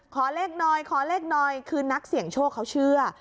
ขอเลขหน่อยขอเลขหน่อยคือนักเสี่ยงโชคเขาเชื่อ